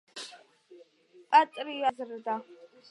პატრიოტი მოქალაქის აღზრდა;